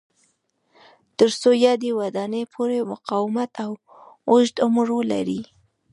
ترڅو یادې ودانۍ پوره مقاومت او اوږد عمر ولري.